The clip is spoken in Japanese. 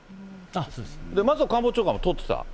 松野官房長官も取ってた。